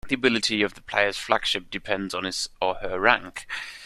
The ability of the player's flagship depends on his or her rank.